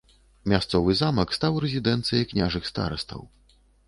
Мясцовы замак стаў рэзідэнцыяй княжых старастаў.